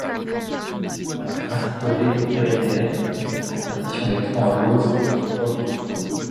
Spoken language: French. Dans la principauté Pyrénéenne, la tradition des toits en lauzes est toujours vivante.